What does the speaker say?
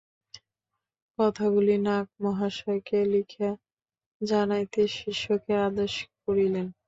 কথাগুলি নাগ-মহাশয়কে লিখিয়া জানাইতে শিষ্যকে আদেশ করিলেন।